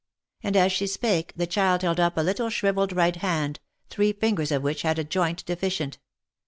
"— And as she spake, the child held up a little shrivelled right hand, three ringers of which had a joint deficient.